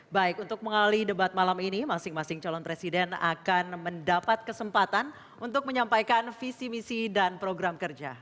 baik untuk mengali debat malam ini masing masing calon presiden akan mendapat kesempatan untuk menyampaikan visi misi dan program kerja